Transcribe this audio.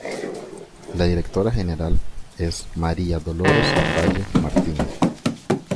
La directora general es María Dolores Valle Martínez.